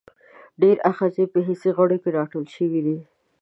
ډېری آخذې په حسي غړو کې را ټولې شوي دي.